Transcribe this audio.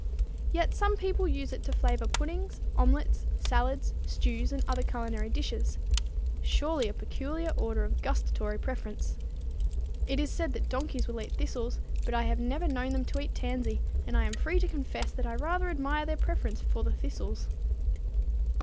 Yet some people use it to flavor puddings, omelettes, salads, stews and other culinary dishes. Surely a peculiar order of gustatory preference! It is said that donkeys will eat thistles, but I have never known them to eat tansy, and I am free to confess that I rather admire their preference for the thistles.